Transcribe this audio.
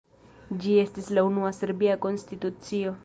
Ĝi estis la unua serbia konstitucio.